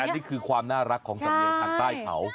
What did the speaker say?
แต่อันนี้คือความน่ารักของสำเนียงข้างใต้เขา